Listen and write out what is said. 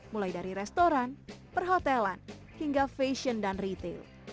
mulai dari restoran perhotelan hingga fashion dan retail